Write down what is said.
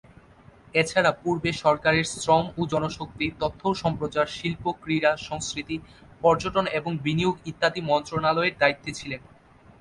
এছাড়া পূর্বে সরকারের শ্রম ও জনশক্তি, তথ্য ও সম্প্রচার, শিল্প, ক্রীড়া, সংস্কৃতি, পর্যটন এবং বিনিয়োগ ইত্যাদি মন্ত্রনালয়ের দায়িত্বে ছিলেন।